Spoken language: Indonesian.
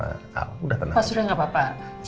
pak sudah gak apa apa